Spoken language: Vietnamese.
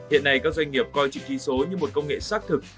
hiện nay các doanh nghiệp coi chữ ký số như một công nghệ xác thực